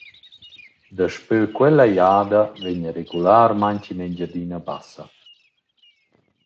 Daspö quella jada vegna regularmaing in Engiadina Bassa.